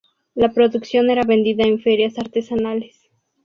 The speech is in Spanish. La producción era vendida en ferias artesanales.